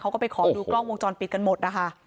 เขาก็ไปขอดูกล้องวงจรปิดกันหมดนะคะ